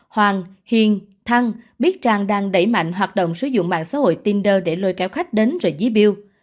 hoàng hiền thăng biết trang đang đẩy mạnh hoạt động sử dụng mạng xã hội tinder để lôi kéo khách đến rồi dí biêu